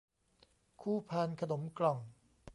คู่พานขนมกล่อง